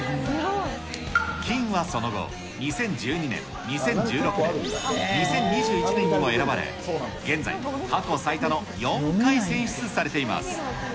金はその後、２０１２年、２０１６年、２０２１年にも選ばれ、現在、過去最多の４回選出されています。